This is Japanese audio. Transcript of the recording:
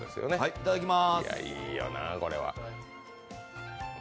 いただきまーす。